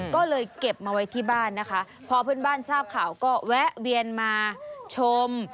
ก็เลยเก็บมาไว้ที่บ้านนะคะพอเพื่อนบ้านทราบข่าวก็แวะเวียนมาชม